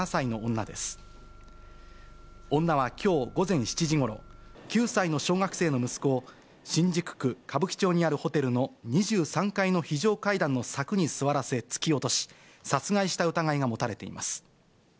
女はきょう午前７時ごろ、９歳の小学生の息子を新宿区歌舞伎町にあるホテルの２３階の非常階段の柵に座らせ突き落とし、殺害した疑いが持たれています。